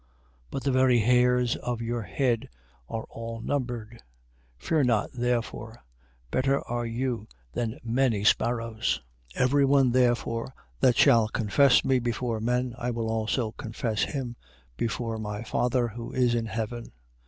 10:30. But the very hairs of your head are all numbered. 10:31. Fear not therefore: better are you than many sparrows. 10:32. Every one therefore that shall confess me before men, I will also confess him before my Father who is in heaven.